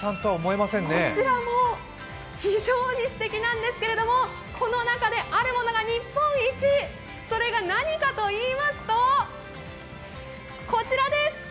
こちらも非常にすてきなんですけれども、この中であるものが日本一、それがなにかと言いますと、こちらです。